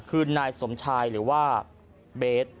คือนายสมชายหรือว่าเบส